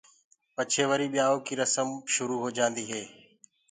پڇي وري ٻيآئوٚ ڪيٚ رسم شُرو هوجآندي هي۔